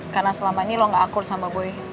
karena selama ini lo gak akur sama boy